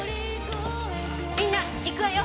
みんな行くわよ。